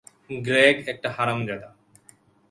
Greg একটা হারামজাদা।